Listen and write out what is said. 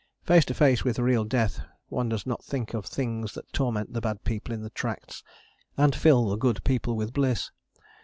Face to face with real death one does not think of the things that torment the bad people in the tracts, and fill the good people with bliss.